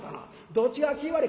どっちが気ぃ悪い？